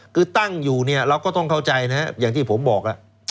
คือตั้งอยู่เนี่ยเราก็ต้องเข้าใจนะครับอย่างที่ผมบอก